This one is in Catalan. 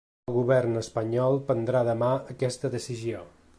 El govern espanyol prendrà demà aquesta decisió.